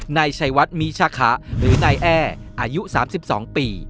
นายชัยวัดมีชาคะหรือนายแอ้อายุ๓๒ปี